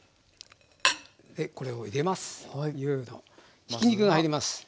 これを入れます。